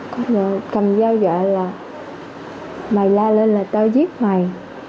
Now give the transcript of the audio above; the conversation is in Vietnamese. có lẽ cầm dao dọa là mày la lên là tao giết mày